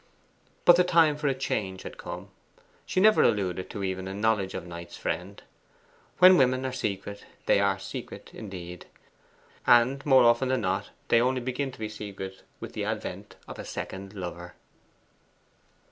But the time for a change had come. She never alluded to even a knowledge of Knight's friend. When women are secret they are secret indeed; and more often than not they only begin to be secret with the advent of a second lover.